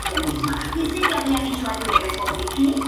Usados por lo general en las bicicletas de montaña.